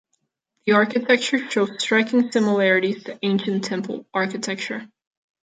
The architecture shows striking similarities to ancient temple architecture.